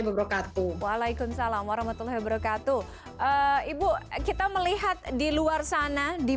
wabarakatuh waalaikumsalam warahmatullahi wabarakatuh ibu kita melihat di luar sana di